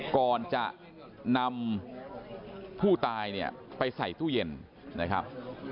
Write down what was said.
ก่อนจะนำผู้ตายเนี่ยไปใส่ตู้เย็นนะครับ